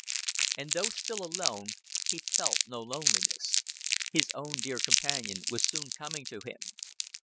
And though still alone, he felt no loneliness. His own dear companion was soon coming to him.